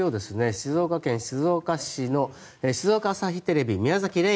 静岡県静岡市の静岡朝日テレビ宮崎玲衣